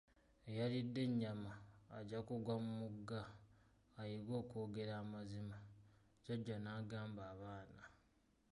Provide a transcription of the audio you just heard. Eyalidde ennyama agyakugwa mu mugga, ayige okwogera amazima, jjaja n'agamba abaana.